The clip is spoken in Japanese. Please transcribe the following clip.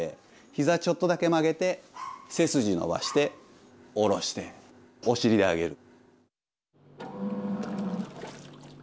ひざちょっとだけ曲げて背筋伸ばして下ろしてお尻で上げる。